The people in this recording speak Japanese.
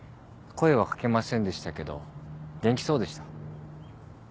声は掛けませんでしたけど元気そうでした。